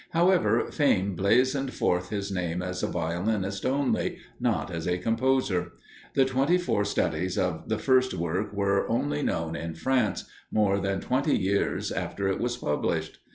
However, fame blazoned forth his name as a violinist only not as a composer. The twenty four studies of the first work were only known in France, more than twenty years after it was published.